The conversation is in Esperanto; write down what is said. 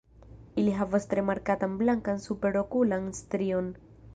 Ili havas tre markatan blankan superokulan strion.